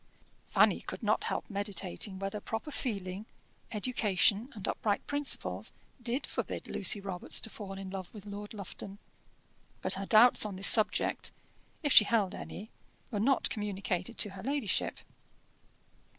Fanny could not help meditating whether proper feeling, education, and upright principles did forbid Lucy Robarts to fall in love with Lord Lufton; but her doubts on this subject, if she held any, were not communicated to her ladyship.